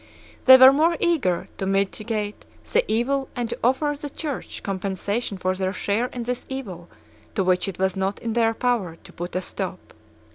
They were more eager to mitigate the evil and to offer the Church compensation for their share in this evil to which it was not in their power to put a stop.